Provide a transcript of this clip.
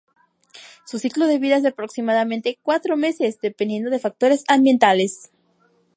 Su ciclo de vida es de aproximadamente cuatro meses, dependiendo de factores ambientales.